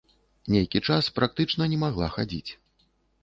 Нейкі час практычна не магла хадзіць.